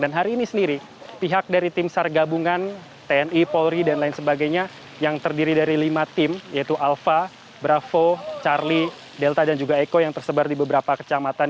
dan hari ini sendiri pihak dari tim sargabungan tni polri dan lain sebagainya yang terdiri dari lima tim yaitu alfa bravo charlie delta dan juga eko yang tersebar di beberapa kecamatan